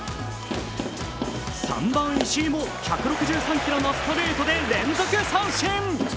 ３番・石井も１６３キロのストレートで連続三振。